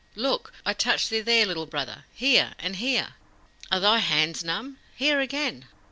"Look! I touch thee here, Little Brother! Here, and here! Are thy hands numb? Here again!"